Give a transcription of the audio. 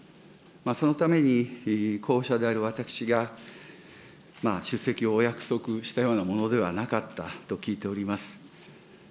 そのために、候補者である私が出席をお約束したようなものではなかったと聞いております。